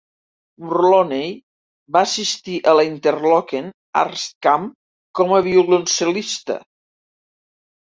Mulroney va assistir a l'Interlochen Arts Camp com a violoncel·lista.